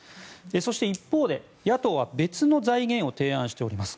そして一方で、野党は別の財源を提案しています。